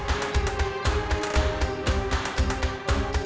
tasik tasik tasik